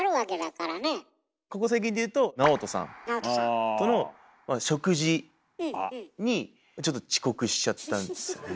ここ最近でいうとＮＡＯＴＯさんとの食事にちょっと遅刻しちゃったんですよね。